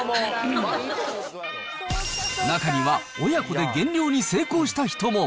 中には親子で減量に成功した人も。